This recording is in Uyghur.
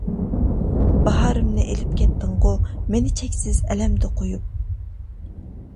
باھارىمنى ئېلىپ كەتتىڭغۇ، مېنى چەكسىز ئەلەمدە قويۇپ.